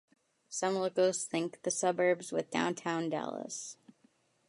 Some locals link the suburbs with downtown Dallas.